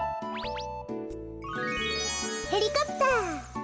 ヘリコプター！